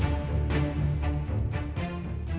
sampah apk di ruling facts